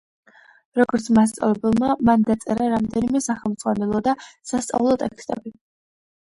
როგორც მასწავლებელმა, მან დაწერა რამდენიმე სახელმძღვანელო და სასწავლო ტექსტები.